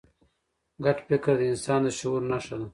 ګډ فکر د انسان د شعور نښه ده.